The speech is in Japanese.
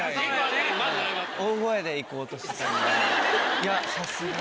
いやさすが。